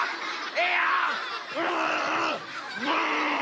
ええやん！